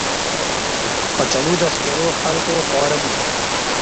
کچالو د سپېرو خلکو خواړه دي